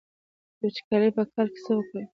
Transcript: د وچکالۍ په کال کې څه وکړم؟